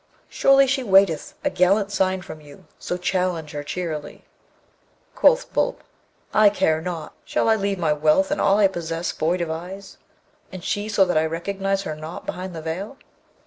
Surely she waiteth a gallant sign from you, so challenge her cheerily.' Quoth Boolp, 'I care not. Shall I leave my wealth and all I possess void of eyes? and she so that I recognise her not behind the veil?'